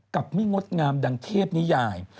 ไม่งดงามดังเทพนิยาย